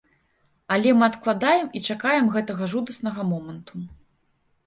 Але мы адкладаем і чакаем гэтага жудаснага моманту.